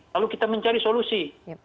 lalu kita mencari solusi